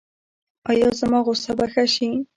ایا زما غوسه به ښه شي؟